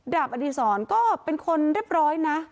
บอดีศรก็เป็นคนเรียบร้อยนะ